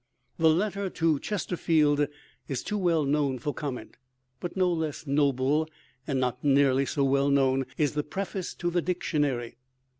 The letter to Chesterfield is too well known for comment. But no less noble, and not nearly so well known, is the preface to the Dictionary.